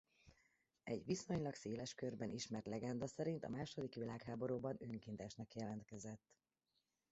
Egy viszonylag széles körben ismert legenda szerint a második világháborúban önkéntesnek jelentkezett.